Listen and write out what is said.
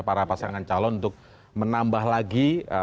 para pasangan calon untuk menambah lagi